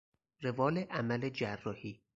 روال عمل جراحی